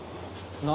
そうですね。